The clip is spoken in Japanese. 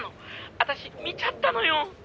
私見ちゃったのよ！」